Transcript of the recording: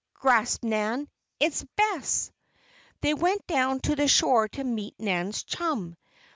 gasped Nan. "It's Bess!" They went down to the shore to meet Nan's chum.